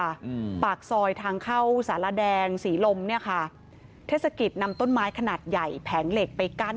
อืมปากซอยทางเข้าสารแดงศรีลมเนี้ยค่ะเทศกิจนำต้นไม้ขนาดใหญ่แผงเหล็กไปกั้น